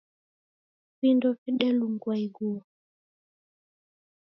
Vindo vedelungua ighuo.